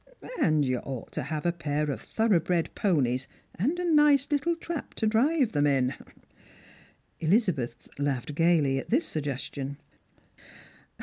And you ought to have a pair of thorough bred ponies, and a nice little trap to drive them in." Elizabeth laughed gaily at this suggestion.